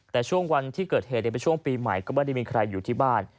แต่ช่วงวันที่เกิดเหตุในช่วงปีใหม่ก็ไม่ได้มีใครอยู่ที่บ้าน